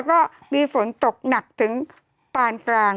โทษทีน้องโทษทีน้อง